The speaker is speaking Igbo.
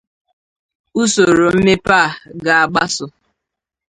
usoro mmepe a ga-agbaso